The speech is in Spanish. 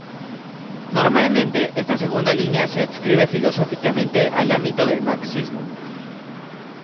Normalmente, esta segunda línea se adscribe filosóficamente al ámbito del marxismo.